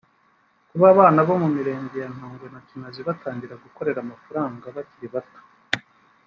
Kuba abana bo mu Mirenge ya Ntongwe na Kinazi batangira gukorera amafaranga bakiri batoya